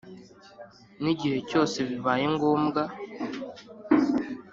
n igihe cyose bibaye ngombwa